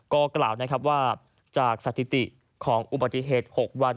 ก็กล่าวนะครับว่าจากสถิติของอุบัติเหตุ๖วัน